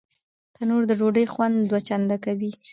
تنور د ډوډۍ خوند دوه چنده کوي